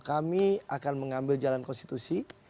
kami akan mengambil jalan konstitusi